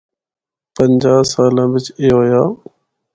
پنچیاں سالاں بچ اے ہویا۔